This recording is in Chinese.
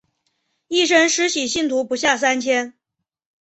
一生施洗信徒不下三千。